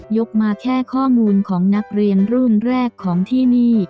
กมาแค่ข้อมูลของนักเรียนรุ่นแรกของที่นี่